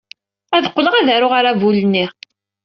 Ad qebleɣ ad aruɣ aṛabul-nni.